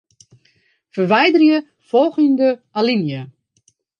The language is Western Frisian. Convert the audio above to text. Ferwiderje folgjende alinea.